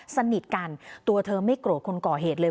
สนิทกันตัวเธอไม่โกรธคนก่อเหตุเลย